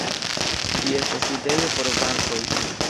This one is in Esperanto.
Ĝi estas sidejo por bankoj.